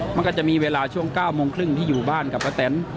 มันก็จะมีเวลาช่วง๙๓๐ที่อยู่บ้านกับประแทน